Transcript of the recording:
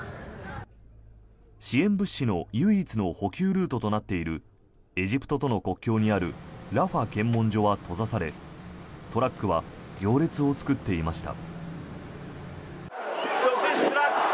支援物資の唯一の補給ルートとなっているエジプトとの国境にあるラファ検問所は閉ざされトラックは行列を作っていました。